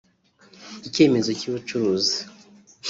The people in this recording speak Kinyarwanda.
icyemezo cy’ubucuruzi